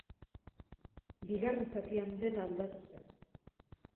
Bigarren zatian dena aldatu zen.